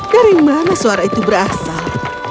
dari mana suara itu berasal